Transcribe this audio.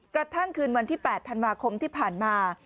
กระทั่งคืนวันที่๘ธันวาคมที่ผ่านมา